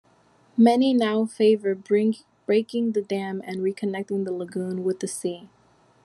Many now favour breaking the dam and reconnecting the lagoon with the sea.